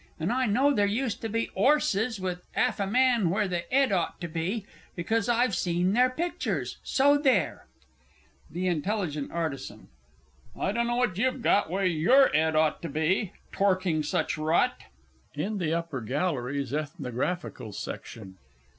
and I know there used to be 'orses with 'alf a man where the 'ed ought to be, because I've seen their pictures so there! THE I. A. I dunno what you've got where your 'ed ought to be, torking such rot! IN THE UPPER GALLERIES; ETHNOGRAPHICAL COLLECTION.